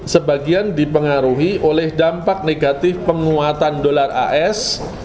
sebagian dipengaruhi oleh dampak negatif penguatan dolar as